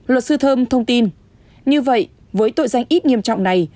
luật sư thơm thông tin như vậy với tội danh ít nghiêm trọng này